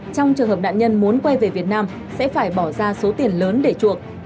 trong trường hợp nạn nhân muốn quay về việt nam sẽ phải bỏ ra số tiền lớn để chuộc